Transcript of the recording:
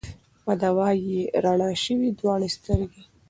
په دوا چي یې رڼا سوې دواړي سترګي